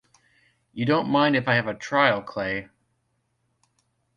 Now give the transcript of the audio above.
You don't mind if I have a trial, Clay.